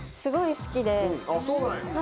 そうなんや。